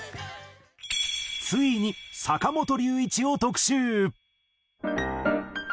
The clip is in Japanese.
ついに坂本龍一を特集。